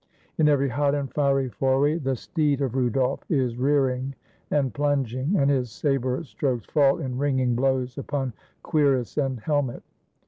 In every hot and fiery foray, the steed of Rudolf is rear ing and plunging, and his saber strokes fall in ringing blows upon cuirass and helmet.